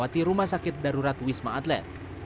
di rumah sakit darurat wisma atlet